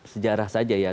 sejarah saja ya